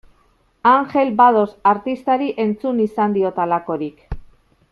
Angel Bados artistari entzun izan diot halakorik.